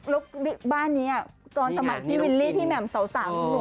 แล้วบ้านนี้ตอนสมัครพี่วิลลี่พี่แหม่มเสาสามคุณหนุ่ม